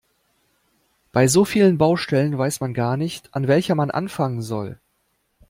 Bei so vielen Baustellen weiß man gar nicht, an welcher man anfangen soll.